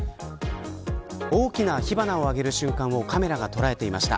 大きな火花を上げる瞬間をカメラが捉えていました。